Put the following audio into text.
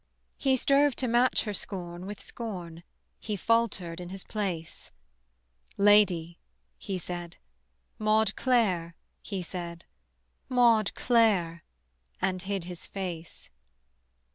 He strove to match her scorn with scorn, He faltered in his place: "Lady," he said, "Maude Clare," he said, "Maude Clare": and hid his face.